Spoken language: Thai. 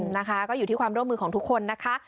นะคะก็อยู่ที่ความร่วมมือของทุกคนนะคะ